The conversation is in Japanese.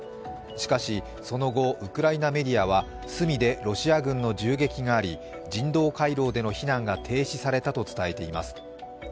しかし、その後ウクライナメディアはスミでロシア軍の銃撃があり人道回廊での避難が停止されたと伝えています。